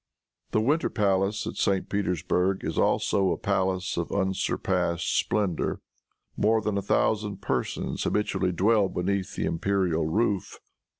The Winter Palace at St. Petersburg is also a palace of unsurpassed splendor. More than a thousand persons habitually dwell beneath the imperial roof.